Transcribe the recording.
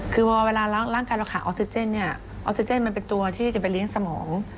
คือพอเวลาร่างกายเราขาดออกซิเจนเนี่ยออกซิเจนมันเป็นตัวที่จะไปเลี้ยงสมอง